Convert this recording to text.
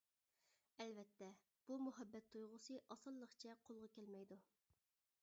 ئەلۋەتتە، بۇ مۇھەببەت تۇيغۇسى ئاسانلىقچە قولغا كەلمەيدۇ.